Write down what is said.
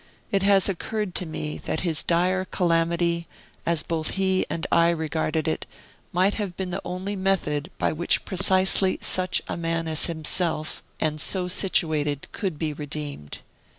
It has occurred to me that his dire calamity, as both he and I regarded it, might have been the only method by which precisely such a man as himself, and so situated, could be redeemed.